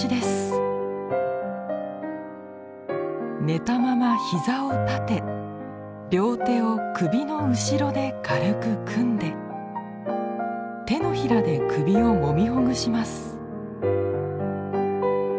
寝たまま膝を立て両手を首の後ろで軽く組んで手のひらで首をもみほぐします。